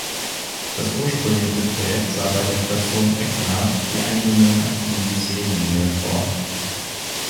Das ursprüngliche Projekt sah bei der Station Egnach die Einmündung in die Seelinie vor.